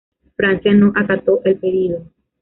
Francia no acató el pedido.